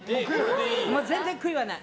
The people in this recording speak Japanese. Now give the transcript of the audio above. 全然悔いはない！